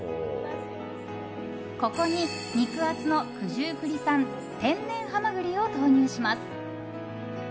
ここに肉厚の九十九里産天然ハマグリを投入します。